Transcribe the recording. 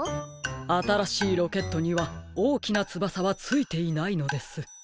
あたらしいロケットにはおおきなつばさはついていないのです。